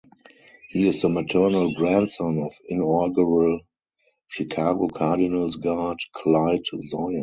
He is the maternal grandson of inaugural Chicago Cardinals guard Clyde Zoia.